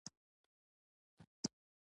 زه اوس ځم .